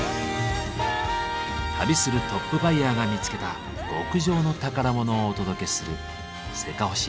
旅するトップバイヤーが見つけた極上の宝物をお届けする「せかほし５ｍｉｎ．」。